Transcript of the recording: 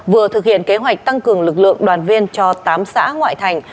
vừa thực hiện kế hoạch tăng cường lực lượng đoàn viên cho tám xã ngoại thành